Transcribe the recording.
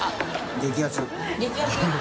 激アツ。